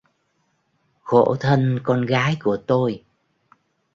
Khổ thân con gái của tôi